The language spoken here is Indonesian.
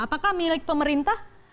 apakah milik pemerintah